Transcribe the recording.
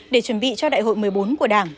để chuẩn bị cho đại hội một mươi bốn của đảng